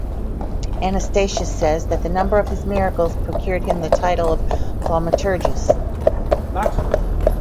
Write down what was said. Anastatius says, that the number of his miracles procured him the title of Thaumaturgus.